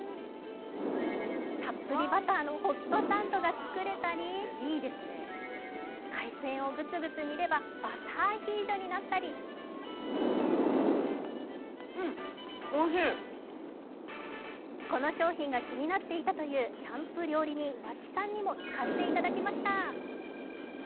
たっぷりバターのホットサンドが作れたり、海鮮をぐつぐつ煮ればバターアヒージョになったりこの商品が気になっていたというキャンプ料理人、和地さんにも使ってもらいました。